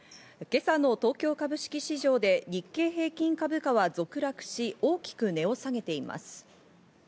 今朝の東京株式市場で日経平均株価は続落し、大きく値を下げています。